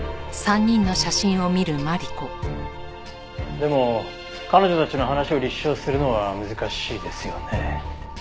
でも彼女たちの話を立証するのは難しいですよね。